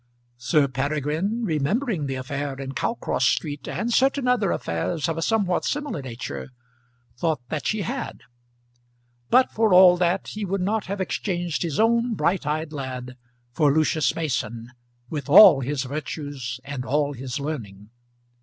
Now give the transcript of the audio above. Sir Peregrine, remembering the affair in Cowcross Street, and certain other affairs of a somewhat similar nature, thought that she had; but for all that he would not have exchanged his own bright eyed lad for Lucius Mason with all his virtues and all his learning.